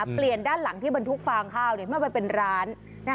เปลี่ยนด้านหลังที่บรรทุกฟางข้าวเมื่อไปเป็นร้าน